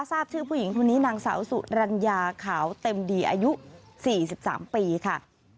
ทราบชื่อผู้หญิงคนนี้นางสาวสุรัญญาขาวเต็มดีอายุ๔๓ปีค่ะ